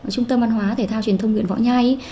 trung tâm văn hóa thể thao truyền thông huyện võ nhai